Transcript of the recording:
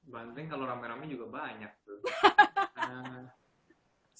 banteng kalau rame rame juga banyak tuh